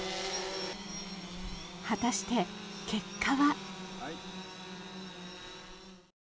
果たして、結果は。